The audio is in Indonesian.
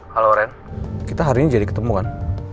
halo ren kita harinya jadi ketemu kan